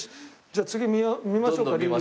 じゃあ次見ましょうかリビング。